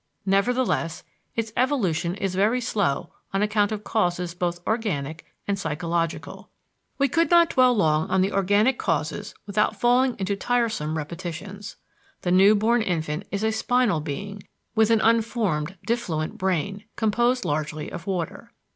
Nevertheless, its evolution is very slow on account of causes both organic and psychological. We could not dwell long on the organic causes without falling into tiresome repetitions. The new born infant is a spinal being, with an unformed diffluent brain, composed largely of water.